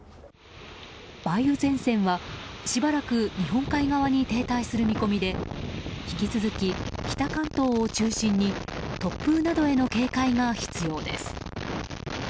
梅雨前線は、しばらく日本海側に停滞する見込みで引き続き、北関東を中心に突風などへの警戒が必要です。